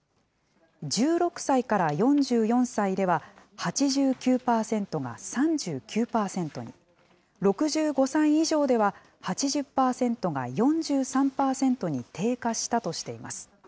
１６歳から４４歳では８９％が３９％に、６５歳以上では８０％が４３％に低下したとしています。